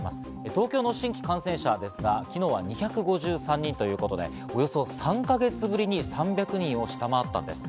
東京の新規感染者ですが、昨日は２５３人ということで、およそ３か月ぶりに３００人を下回ったんです。